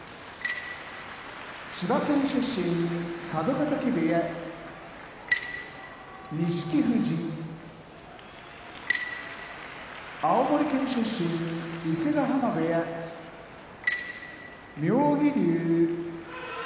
千葉県出身佐渡ヶ嶽部屋錦富士青森県出身伊勢ヶ濱部屋妙義龍